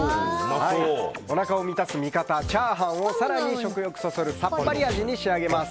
おなかを満たす味方チャーハンを更に食欲そそるさっぱり味に仕上げます。